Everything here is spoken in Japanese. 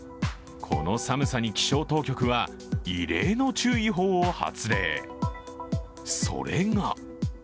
この寒さに気象当局は異例の注意報を発令。